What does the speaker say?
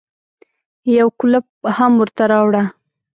يو کولپ هم ورته راوړه.